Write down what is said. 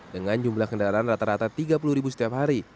dengan jumlah kendaraan rata rata tiga puluh ribu setiap hari